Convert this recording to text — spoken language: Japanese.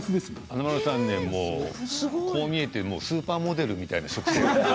華丸さんねもうこう見えてスーパーモデルみたいな食生活してるから。